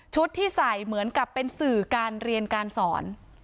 ที่ใส่เหมือนกับเป็นสื่อการเรียนการสอน